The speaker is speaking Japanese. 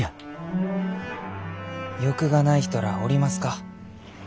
欲がない人らあおりますか？